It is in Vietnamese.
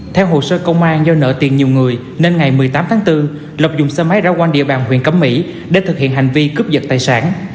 theo hồ sơ công an do nợ tiền nhiều người nên ngày một mươi tám tháng bốn lộc dùng xe máy ra quang địa bàn huyện cẩm mỹ để thực hiện hành vi cướp giật tài sản